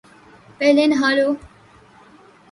پہلے نہا لو ـ